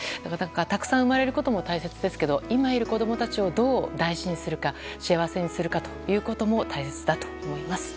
たくさん生まれることも大切ですが今いる子供たちをどう大事にするか幸せにするかということも大切だと思います。